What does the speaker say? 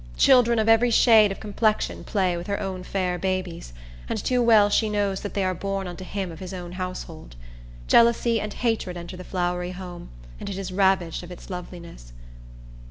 Children of every shade of complexion play with her own fair babies, and too well she knows that they are born unto him of his own household. Jealousy and hatred enter the flowery home, and it is ravaged of its loveliness.